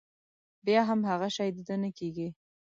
بيا هم هغه شی د ده نه کېږي.